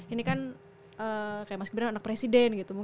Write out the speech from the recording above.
ini kan kayak mas gibran anak presiden gitu